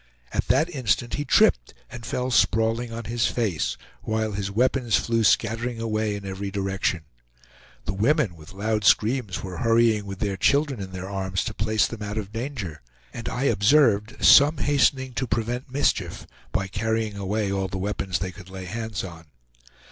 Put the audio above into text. At that instant he tripped and fell sprawling on his face, while his weapons flew scattering away in every direction. The women with loud screams were hurrying with their children in their arms to place them out of danger, and I observed some hastening to prevent mischief, by carrying away all the weapons they could lay hands on.